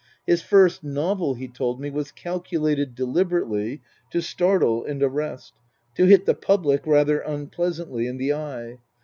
His first novel, he told me, was calculated, deliberately, to startle and arrest ; to hit the public, rather unpleasantly, in the eye.